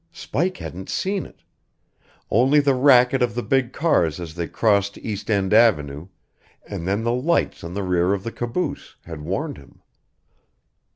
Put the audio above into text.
Spike hadn't seen it; only the racket of the big cars as they crossed East End Avenue, and then the lights on the rear of the caboose, had warned him.